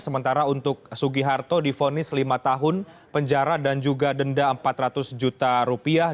sementara untuk sugiharto difonis lima tahun penjara dan juga denda empat ratus juta rupiah